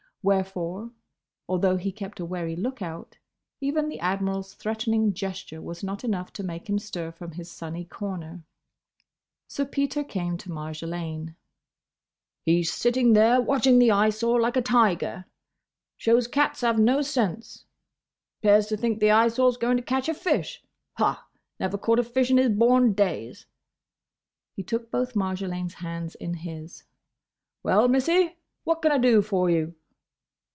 Wherefore, although he kept a wary look out, even the Admiral's threatening gesture was not enough to make him stir from his sunny corner. Sir Peter came to Marjolaine. "He's sitting there, watching the Eyesore like a tiger. Shows cats have no sense. 'Pears to think the Eyesore's going to catch a fish! Ha! Never caught a fish in his born days!" He took both Marjolaine's hands in his. "Well, Missie; what can I do for you?"